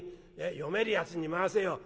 読めるやつに回せよ」。